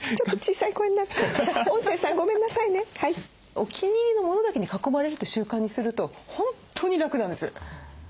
お気に入りのモノだけに囲まれるって習慣にすると本当に楽なんです。